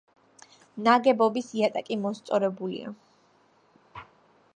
ნაგებობის იატაკი მოსწორებულია.